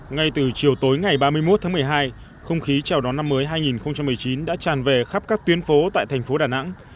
ngay từ chiều tối ngày ba mươi một tháng một mươi hai không khí chào đón năm mới hai nghìn một mươi chín đã tràn về khắp các tuyến phố tại thành phố đà nẵng